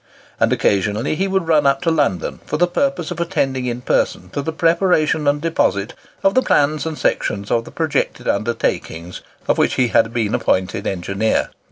And occasionally he would run up to London, for the purpose of attending in person to the preparation and deposit of the plans and sections of the projected undertakings of which he had been appointed engineer.